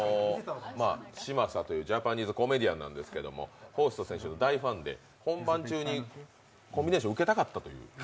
嶋佐というジャパニーズコメディアンなんですけど、ホースト選手の大ファンで本番中にコンビネーションを受けたかったということで。